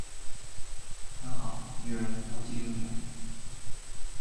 很好，女人我记住你了